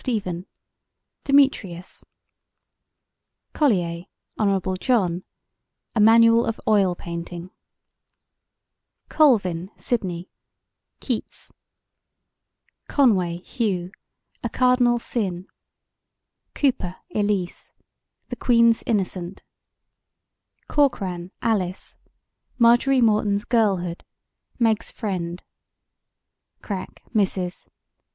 STEPHEN: Demetrius COLLIER, HON. JOHN: A Manual of Oil Painting COLVIN, SIDNEY: Keats CONWAY, HUGH: A Cardinal Sin COOPER, ELISE: The Queen's Innocent CORKRAN, ALICE: Margery Morton's Girlhood Meg's Friend CRAIK, MRS.